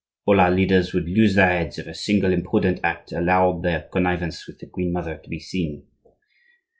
All our leaders would lose their heads if a single imprudent act allowed their connivance with the queen mother to be seen.